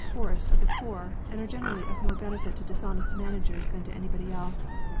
poorest of the poor, and are generally of more benefit to dishonest managers than to anybody else.